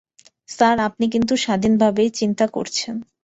Sir, আপনি কিন্তু স্বাধীনভাবেই চিন্তা করছেন।